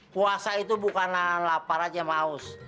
puasa itu bukan lapar aja maus